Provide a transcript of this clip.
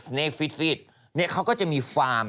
เนกฟิตเขาก็จะมีฟาร์ม